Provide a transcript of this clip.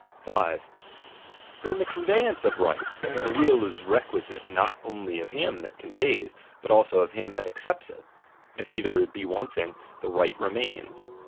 5. But in the conveyance of right, the will is re quisite not only of hira that conveys, but of him f'also that accepts it. If either be wanting, the right remains.